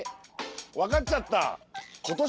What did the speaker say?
分かっちゃった。